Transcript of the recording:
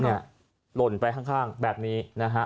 หล่นไปข้างแบบนี้นะฮะ